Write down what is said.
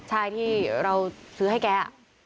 ใช่ที่เราซื้อให้แก